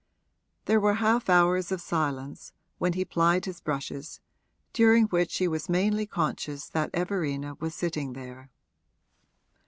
There were half hours of silence, when he plied his brushes, during which he was mainly conscious that Everina was sitting there.